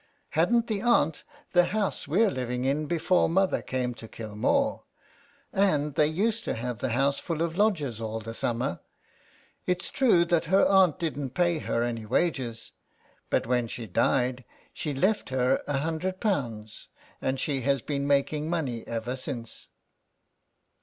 " Hadn't her aunt the house we're living in before mother came to Kilmore, and they used to have the house full of lodgers all the summer. It's true that her aunt didn't pay her any wages, but when she died she left her a hundred pounds, and she has been making money ever since."